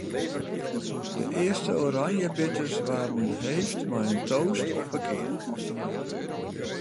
De earste oranjebitters waarden heefd mei in toast op 'e kening.